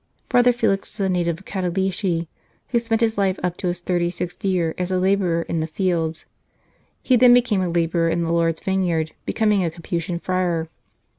Brother Felix was a native of Cantalice, who spent his life up to his thirty sixth year as a labourer in the fields. He then became a labourer in the Lord s vineyard, becoming a Capuchin friar.